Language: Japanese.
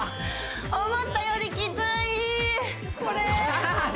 思ったよりきついこれははは！